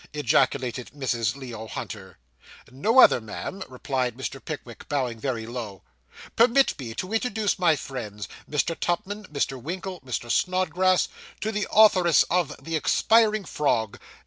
ejaculated Mrs. Leo Hunter. 'No other, ma'am,' replied Mr. Pickwick, bowing very low. 'Permit me to introduce my friends Mr. Tupman Mr. Winkle Mr. Snodgrass to the authoress of "The Expiring Frog."